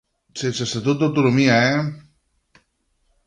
Sense “estatut d’autonomia”, eh!